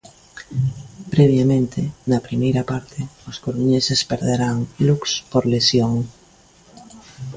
Previamente, na primeira parte, os coruñeses perderan Lux por lesión.